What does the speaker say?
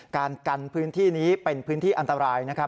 การกันพื้นที่นี้เป็นพื้นที่อันตรายนะครับ